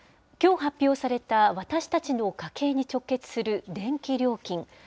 きょう発表された私たちの家計に直結する電気料金。